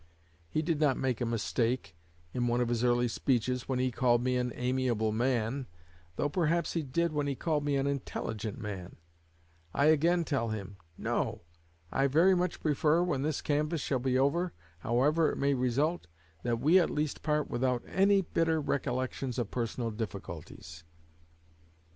_ He did not make a mistake, in one of his early speeches, when he called me an 'amiable' man, though perhaps he did when he called me an 'intelligent' man. I again tell him, No! I very much prefer, when this canvass shall be over, however it may result, that we at least part without any bitter recollections of personal difficulties."